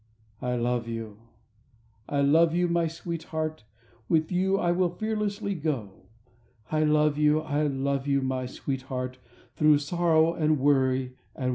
I love you, I love you, my sweetheart, With you I will fearlessly go; I love you, I love you, my sweetheart Through sorrow and worry and woe.